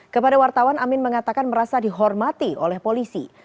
kepada wartawan amin mengatakan merasa dihormati oleh polisi